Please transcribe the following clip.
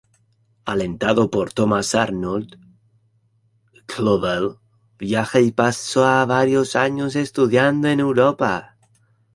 Alentado por Thomas Arnold, Iqbal viaja y pasa varios años estudiando en Europa.